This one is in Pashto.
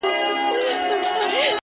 زما د ژوند تيارې ته لا ډېوه راغلې نه ده،